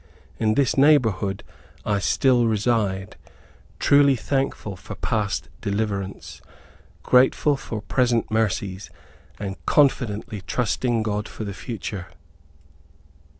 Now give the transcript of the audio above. In this neighborhood I still reside, truly thankful for past deliverance, grateful for present mercies, and confidently trusting God for the future.